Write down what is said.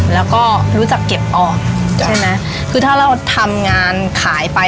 แล้วก็รู้จักเก็บออกใช่ไหมคือถ้าเราทำงานขายไป